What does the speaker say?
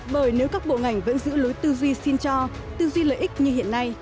bởi nếu các bộ ngành vẫn giữ lối tư duy xin cho tư duy lợi ích như hiện nay